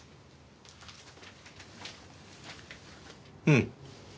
うん！